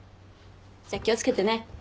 じゃあ気を付けてね。